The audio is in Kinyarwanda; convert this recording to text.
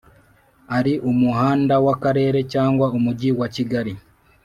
ari umuhanda w Akarere cyangwa Umujyi wakigali